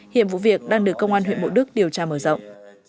hiểm vụ việc đang được công an huyện bộ đức điều tra mở rộng